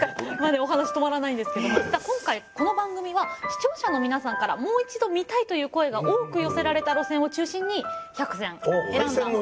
まだお話止まらないんですけども実は今回この番組は視聴者の皆さんから「もう一度見たい」という声が多く寄せられた路線を中心に１００線選んだ。